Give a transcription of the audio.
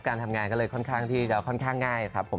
การทำงานก็เลยค่อนข้างที่จะค่อนข้างง่ายครับผม